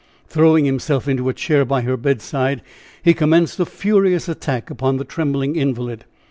Throwing himself into a chair by her bedside, he commenced a furious attack upon the trembling invalid.